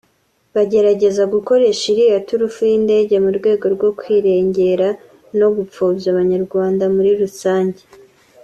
bagerageza gukoresha iriya turufu y’indege mu rwego rwo kwirengera no gupfobya Abanyarwanda muri rusange